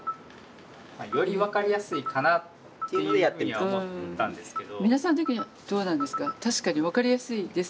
より分かりやすいかなっていうふうには思ったんですけど。